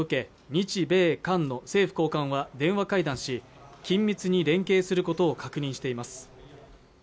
日米韓の政府高官は電話会談し緊密に連携することを確認しています